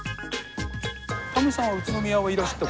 タモリさんは宇都宮はいらした事。